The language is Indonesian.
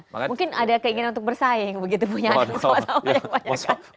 mungkin ada keinginan untuk bersaing begitu punya anak yang banyak banyak kan